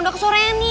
udah ke soreni